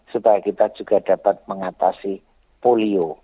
supaya kita juga dapat mengatasi polio